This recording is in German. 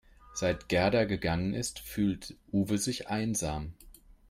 Seit Gerda gegangen ist, fühlt Uwe sich einsam.